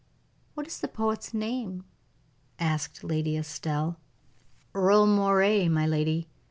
"What is the poet's name?" asked Lady Estelle. "Earle Moray, my lady.